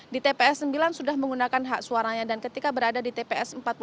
di tps sembilan sudah menggunakan hak suaranya dan ketika berada di tps empat puluh